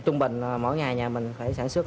trung bình mỗi ngày nhà mình phải sản xuất